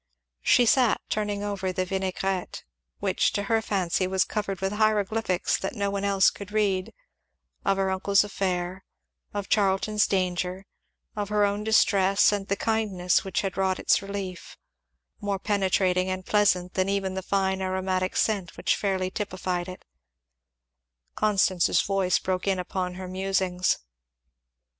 She sat turning over the vinaigrette, which to her fancy was covered with hieroglyphics that no one else could read; of her uncle's affair, of Charlton's danger, of her own distress, and the kindness which had wrought its relief, more penetrating and pleasant than even the fine aromatic scent which fairly typified it, Constance's voice broke in upon her musings.